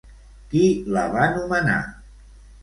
Qui la va nomenar?